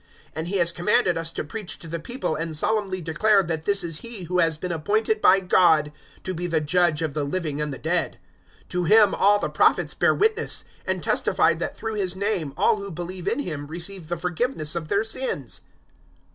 010:042 And He has commanded us to preach to the people and solemnly declare that this is He who has been appointed by God to be the Judge of the living and the dead. 010:043 To Him all the Prophets bear witness, and testify that through His name all who believe in Him receive the forgiveness of their sins."